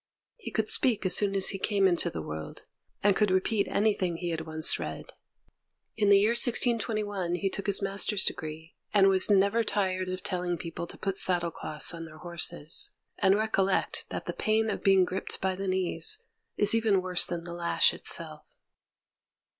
He could speak as soon as he came into the world; and could repeat anything he had once read. In the year 1621 he took his master's degree, and was never tired of telling people to put saddle cloths on their horses, and recollect that the pain of being gripped by the knees is even worse than the lash itself.